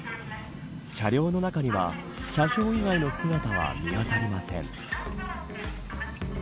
車両の中には車掌以外の姿は見当たりません。